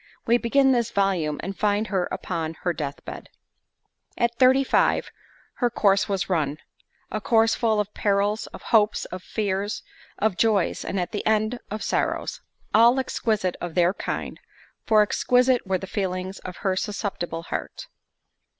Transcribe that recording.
We begin this volume, and find her upon her death bed. At thirty five, her "Course was run"—a course full of perils, of hopes, of fears, of joys, and at the end, of sorrows; all exquisite of their kind, for exquisite were the feelings of her susceptible heart.